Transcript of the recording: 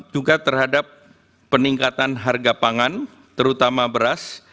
juga terhadap peningkatan harga pangan terutama beras